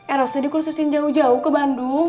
erosi dikhususin jauh jauh ke bandung